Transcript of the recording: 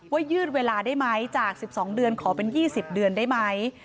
ยืดเวลาได้ไหมจาก๑๒เดือนขอเป็น๒๐เดือนได้ไหม